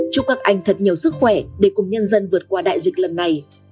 chúc các anh thật nhiều sức khỏe để cùng nhân dân vượt qua đại dịch lần này